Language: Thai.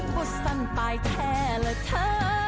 บุษสันปายแท้ละเธอ